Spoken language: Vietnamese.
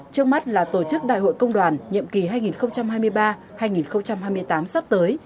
trước mắt là tổ chức đại hội công đoàn nhiệm kỳ hai nghìn hai mươi ba hai nghìn hai mươi tám sắp tới